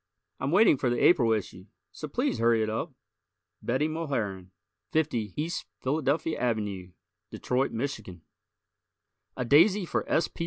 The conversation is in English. I'm waiting for the April issue, so please hurry it up. Betty Mulharen, 50 E. Philadelphia Ave, Detroit, Mich. _A Daisy for S. P.